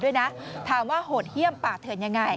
ด้วยนะถามว่าโหดเยี่ยมป่าเถื่อนยังไง